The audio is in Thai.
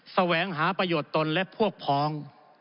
แสวงหาประโยชน์ตนและพวกพ้อง